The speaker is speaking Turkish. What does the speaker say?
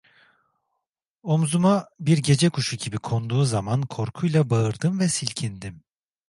Omuzuma bir gece kuşu gibi konduğu zaman korkuyla bağırdım ve silkindim.